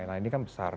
nah ini kan besar